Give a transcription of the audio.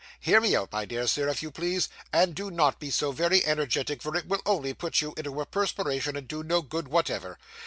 Hear me out, my dear Sir, if you please, and do not be so very energetic, for it will only put you into a perspiration and do no good whatever.